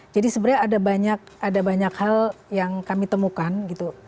jadi sebenarnya ada banyak hal yang kami temukan gitu